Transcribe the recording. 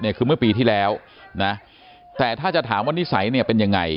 แบบเมื่อปีที่แล้วแต่ถ้าจะถามว่านิสัยเป็นยังไง